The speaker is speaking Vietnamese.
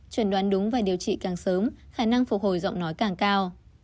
chuẩn đoán đúng và điều trị càng sớm khả năng phục hồi giọng nói càng cao